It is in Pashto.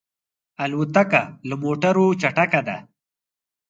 الوتکه له موټرو چټکه ده.